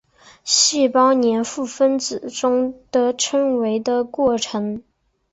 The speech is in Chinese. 细胞黏附分子中的称为的过程。